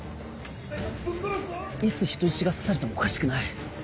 いつ人質が刺されてもおかしくない。